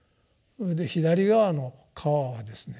それで左側の川はですね